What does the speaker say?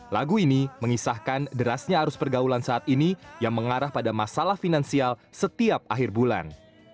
lagu ini mengisahkan derasnya arus pergaulan saat ini yang mengarah pada masalah finansial setiap akhir bulan